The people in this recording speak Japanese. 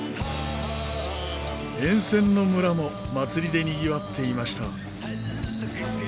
沿線の村も祭りでにぎわっていました。